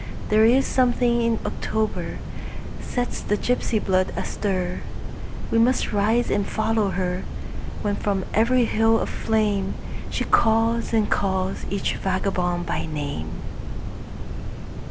There is something in October sets the gypsy blood astir; We must rise and follow her, When from every hill of flameShe calls and calls each vagabond by name.